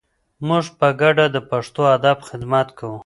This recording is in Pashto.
موږ په ګډه د پښتو ادب خدمت کوو.